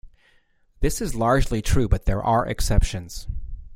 This is largely true, but there are exceptions.